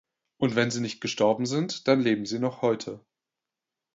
Und wenn sie nicht gestorben sind, dann leben sie noch heute.